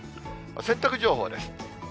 洗濯情報です。